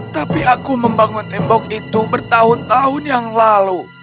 tapi aku membangun tembok itu bertahun tahun yang lalu